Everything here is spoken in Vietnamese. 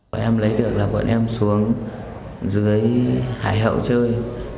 bọn em lấy được là bọn em xuống dưới hải hậu chơi